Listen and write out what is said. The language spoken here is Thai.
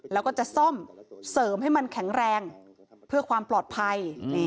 แล้วก็จะซ่อมเสริมให้มันแข็งแรงเพื่อความปลอดภัย